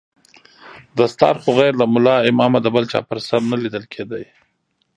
دستار خو غير له ملا امامه د بل چا پر سر نه ليدل کېده.